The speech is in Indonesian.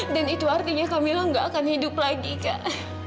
dan itu artinya kak mila gak akan hidup lagi kak